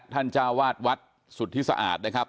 ท่านเจ้าวาดวัดสุดที่สะอาดนะครับ